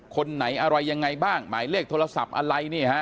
คนไหนอะไรยังไงบ้างหมายเลขโทรศัพท์อะไรนี่ฮะ